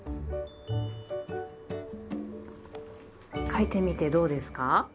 書いてみてどうですか？